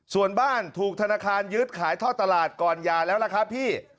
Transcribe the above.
ส่วนบ้านถูกธนาคารยึดขายท่อตลาดก่อนหย่าแล้วล่ะครับพี่